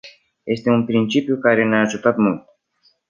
Este un principiu care ne-a ajutat mult.